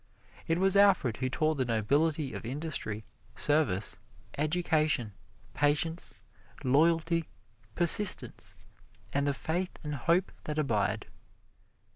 It was Alfred who taught the nobility of industry, service, education, patience, loyalty, persistence, and the faith and hope that abide.